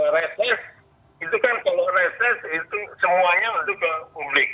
reses itu kan kalau reses itu semuanya untuk ke publik